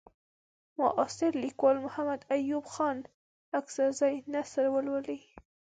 د معاصر لیکوال محمد ایوب خان اڅکزي نثر ولولئ.